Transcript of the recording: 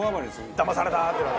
だまされた！ってなる。